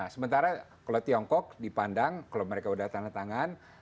sementara kalau tiongkok dipandang kalau mereka sudah tanda tangan